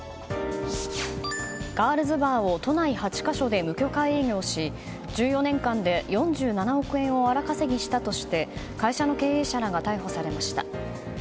ガールズバーを都内８か所で無許可営業し１４年間で４７億円を荒稼ぎしたとして会社の経営者らが逮捕されました。